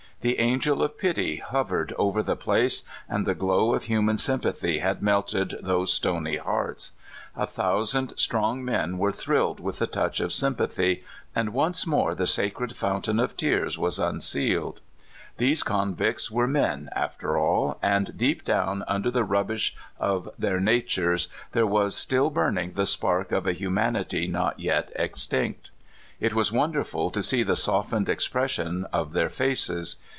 The angel of pity hovered over the place, and the glow^ of human sympathy had melted those stony hearts. A thousand strong men were thrilled with the touch of sympathy, and once more the sacred fountain of tears was un sealed. These convicts were men, after all, and deep down under the rubbish of their natures there was still burning the spark of a humanity not yet extinct. It was w^onderful to see the soft ened expression of their faces.